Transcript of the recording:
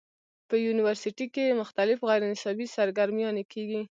پۀ يونيورسټۍ کښې مختلف غېر نصابي سرګرميانې کيږي